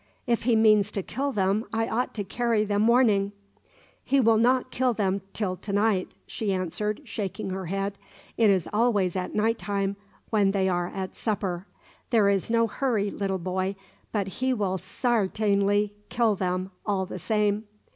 "If he means to kill them, I ought to carry them warning." "He will not kill them till to night," she answered, shaking her head. "It is always at night time, when they are at supper. There is no hurry, little boy; but he will sar tain ly kill them, all the same."